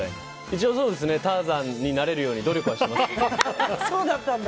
一応、ターザンになれるように努力はしてます。